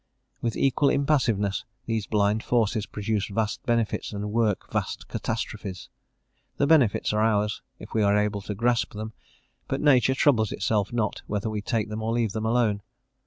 With equal impassiveness these blind forces produce vast benefits and work vast catastrophes. The benefits are ours, if we are able to grasp them; but nature troubles itself not, whether we take them or leave them alone.